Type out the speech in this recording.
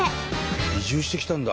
移住してきたんだ。